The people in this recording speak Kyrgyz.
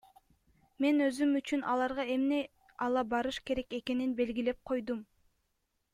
Мен өзүм үчүн аларга эмне ала барыш керек экенин белгилеп койдум.